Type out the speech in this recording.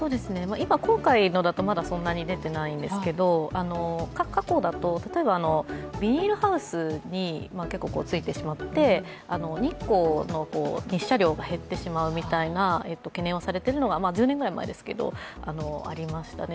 今、今回のだとまだそんなに出てないんですけど過去だと、例えばビニールハウスに付いてしまって日光の日射量が減ってしまうというような懸念をされているのが、１０年ぐらいまですけどありませいたね。